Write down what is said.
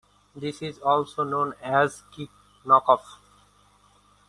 This is also known as a knockoff.